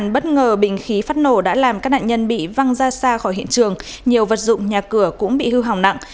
bất ngờ bình khí phát nổ đã làm các nạn nhân bị văng ra xa khỏi hiện trường nhiều vật dụng nhà cửa cũng bị hư hỏng nặng